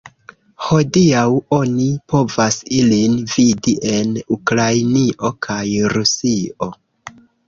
Hodiaŭ oni povas ilin vidi en Ukrainio kaj Rusio.